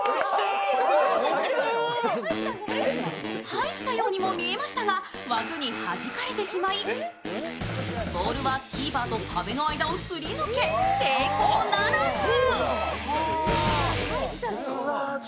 入ったようにも見えましたが枠にはじかれてしまい、ボールはキーパーと壁の間をすり抜け、成功ならず。